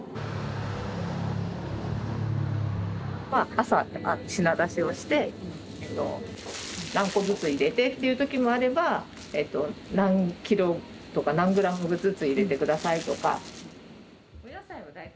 朝品出しをして何個ずつ入れてって言う時もあれば何キロとか何グラムずつ入れて下さいとか。